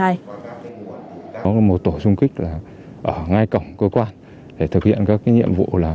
có một tổ chung kích ở ngay cổng cơ quan để thực hiện các nhiệm vụ